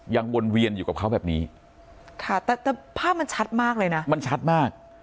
วนเวียนอยู่กับเขาแบบนี้ค่ะแต่แต่ภาพมันชัดมากเลยนะมันชัดมาก